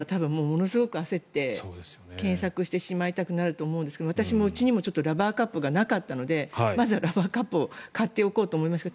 知らなければ多分ものすごく焦って検索してしまいたくなると思うんですけど私も、うちにもラバーカップがなかったのでまずはラバーカップを買っておこうと思いました。